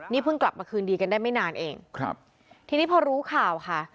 นี่เพิ่งกลับมาคืนดีกันได้ไม่นานเองครับทีนี้พอรู้ข่าวค่ะ